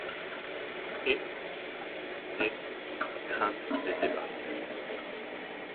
Et, dé crainte des ébats